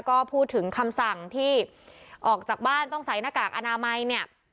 ก็พูดถึงคำสั่งที่ออกจากบ้านต้องใส่หน้ากากอนามัยเนี่ย